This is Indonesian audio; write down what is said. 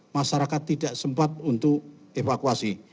masyarakat tidak sempat untuk evakuasi